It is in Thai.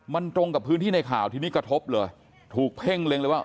มันตรงกับพื้นที่ในข่าวทีนี้กระทบเลยถูกเพ่งเล็งเลยว่า